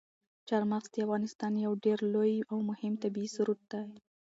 چار مغز د افغانستان یو ډېر لوی او مهم طبعي ثروت دی.